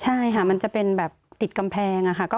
ใช่ค่ะมันจะเป็นแบบติดกำแพงค่ะ